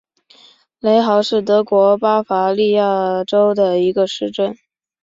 雷豪是德国巴伐利亚州的一个市镇。